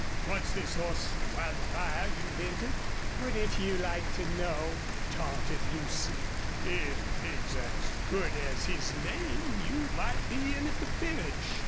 "What's this hoss Wildfire you've entered?" "Wouldn't you like to know?" taunted Lucy. "If he's as good as his name you might be in at the finish....